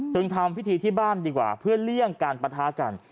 ทำพิธีที่บ้านดีกว่าเพื่อเลี่ยงการปะทะกัน